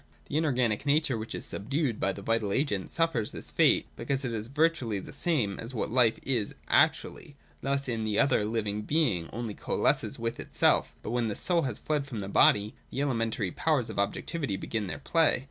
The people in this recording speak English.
The inorganic nature which is subdued by the vital agent suffers this fate, because it is virtually the same as what life is actually. Thus in the other the living being only coalesces with itself But when the soul has fled from the body, the elementary powers of objectivity begin their play.